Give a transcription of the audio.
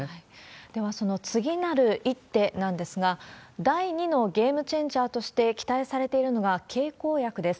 では、その次なる一手なんですが、第２のゲームチェンジャーとして期待されているのが、経口薬です。